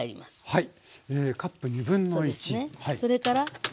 はい。